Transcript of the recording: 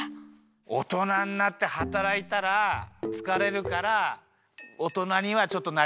おとなになってはたらいたらつかれるからおとなにはちょっとなりたくない。